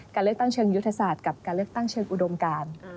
การเลือกตั้งเชิงยุทธศาสตร์กับการเลือกตั้งเชิงอุดมการ